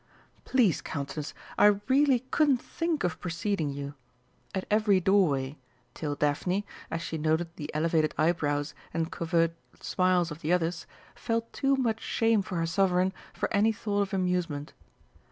Please, Countess, I really couldn't think of preceding you!" at every doorway, till Daphne, as she noted the elevated eyebrows and covert smiles of the others, felt too much shame for her Sovereign for any thought of amusement.